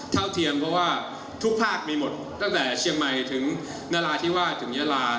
เทียมเพราะว่าทุกภาคมีหมดตั้งแต่เชียงใหม่ถึงนราธิวาสถึงยาลา